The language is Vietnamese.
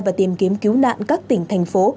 và tìm kiếm cứu nạn các tỉnh thành phố